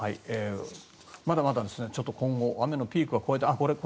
まだまだ今後雨のピークは越えていますが。